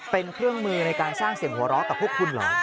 เป็นเครื่องมือในการสร้างเสียงหัวเราะกับพวกคุณเหรอ